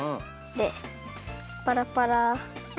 でパラパラ。